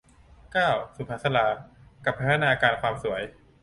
เก้า สุภัสสรา กับพัฒนาการความสวย